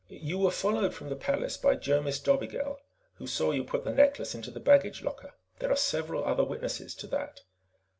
"You were followed from the palace by Jomis Dobigel, who saw you put the necklace into the baggage locker. There are several other witnesses to that."